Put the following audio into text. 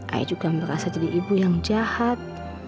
ayah juga merasa jadi ibu yang jahat